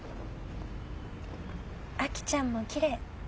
亜紀ちゃんもきれい。